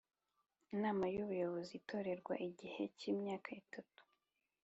Inama y ubuyobozi itorerwa igihe cy imyaka itatu